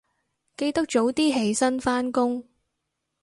記得早啲起身返工